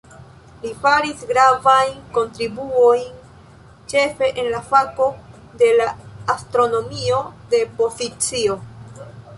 Li faris gravajn kontribuojn ĉefe en la fako de la astronomio de pozicio.